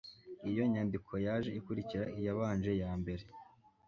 iyo nyandiko yaje ikurikira iyabanje ya mbere